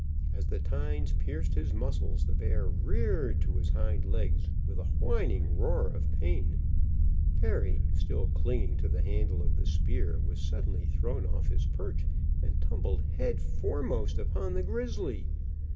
As the tines pierced his muscles, the bear reared to his hind legs with a whining roar of pain. Perry, still clinging to the handle of the spear, was suddenly thrown off his perch and tumbled head foremost upon the grizzly!